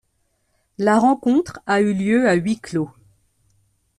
La rencontre a eu lieu à huis clos.